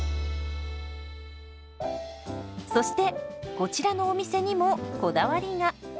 そしてこちらのお店にもこだわりが。